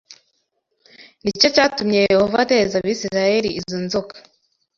Ni cyo cyatumye Yehova ateza Abisirayeli izo nzoka